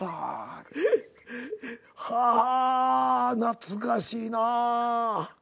はあ懐かしいな。